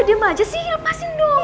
kau lepasin dong